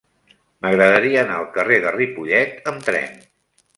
M'agradaria anar al carrer de Ripollet amb tren.